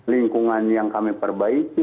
lingkungan yang kami perbaiki